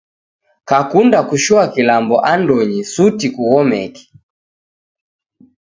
Kakunda kushoa kilambo andonyi, suti kughomeke.